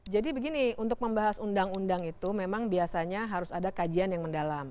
begini untuk membahas undang undang itu memang biasanya harus ada kajian yang mendalam